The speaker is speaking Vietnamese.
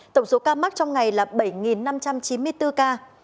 tổng số ca mắc trong ngày là bảy năm trăm chín mươi bốn ca